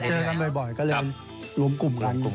เจอกันบ่อยก็เลยรวมกลุ่มกัน